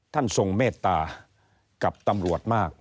ทรงเมตตากับตำรวจมาก